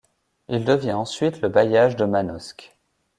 Il devient ensuite le bailliage de Manosque.